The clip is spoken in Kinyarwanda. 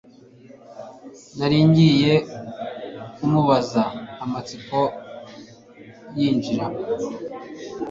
nari ngiye kumubaza, amatsiko, yinjira